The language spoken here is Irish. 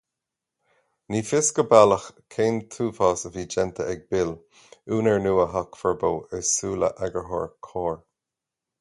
Ní fios go baileach cén t-uafás a bhí déanta ag Bill, úinéir nua Theach Furbo, i súile eagarthóir Comhar.